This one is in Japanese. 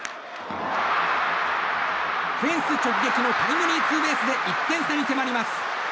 フェンス直撃のタイムリーツーベースで１点差に迫ります。